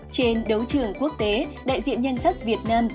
trên đấu trường quốc tế đại diện nhân sắc việt nam